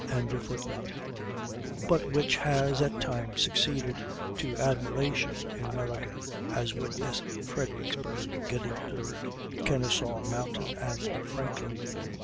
"] but which has at times succeeded to admiration in America, as witness Fredericksburg, Gettysburg, Kenesaw Mountain, and Franklin.